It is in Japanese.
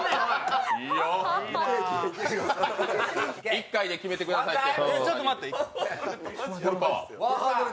一回で決めてくださいって。